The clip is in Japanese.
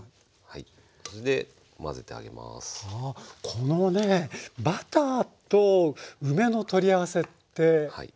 このねバターと梅の取り合わせってねえ。